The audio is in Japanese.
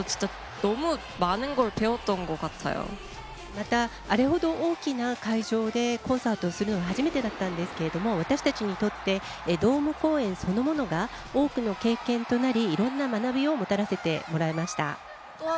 また、あれほど大きな会場でコンサートをするのが初めてだったんですけど私たちにとってドーム公演そのものが多くの経験となりいろんな学びをもたらせてもらえました。